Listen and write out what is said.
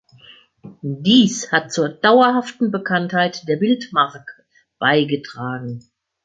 Dies hat zur dauerhaften Bekanntheit der Bildmarke beigetragen.